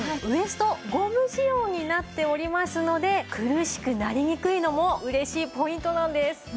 ウエストゴム仕様になっておりますので苦しくなりにくいのも嬉しいポイントなんです。